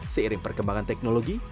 seiring perkembangan teknologi